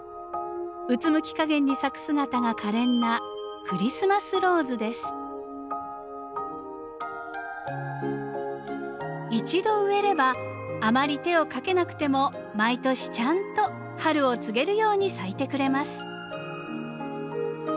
うつむき加減に咲く姿が可憐な一度植えればあまり手をかけなくても毎年ちゃんと春を告げるように咲いてくれます。